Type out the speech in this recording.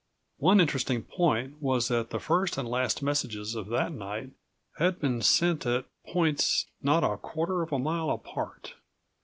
One interesting point was that the first and last messages of that night had been sent at points not a quarter of a mile apart.